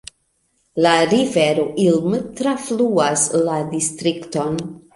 La rivero Ilm trafluas la distrikton.